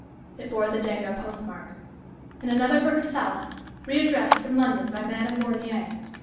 It bore the Denga postmark. And another for herself, readdressed from London by Madame Bornier.